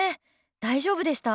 大丈夫でした？